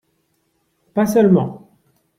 Pas seulement